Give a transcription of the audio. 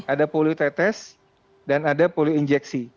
ada poliotetes dan ada poliinjeksi